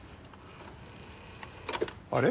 あれ？